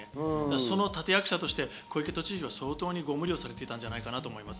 その立て役者として小池都知事、相当ご無理をされていたんじゃないかと思います。